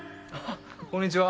こんにちは。